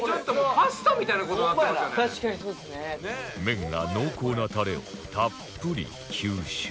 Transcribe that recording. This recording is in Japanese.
麺が濃厚なたれをたっぷり吸収